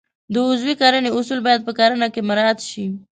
د عضوي کرنې اصول باید په کرنه کې مراعات شي.